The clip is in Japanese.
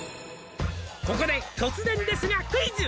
「ここで突然ですがクイズ」